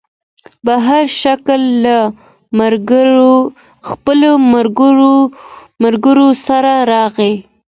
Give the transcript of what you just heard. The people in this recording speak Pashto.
بهاشکر له خپلو ملګرو سره راغی.